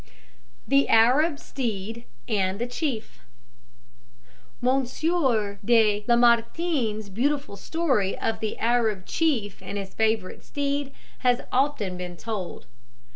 THE ARAB STEED AND THE CHIEF. Monsieur De Lamartine's beautiful story of the Arab chief and his favourite steed has often been told.